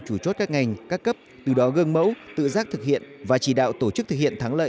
chủ chốt các ngành các cấp từ đó gương mẫu tự giác thực hiện và chỉ đạo tổ chức thực hiện thắng lợi